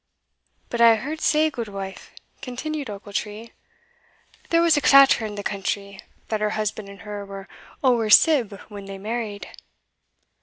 "But I hae heard say, gudewife," continued Ochiltree, "there was a clatter in the country, that her husband and her were ower sibb when they married."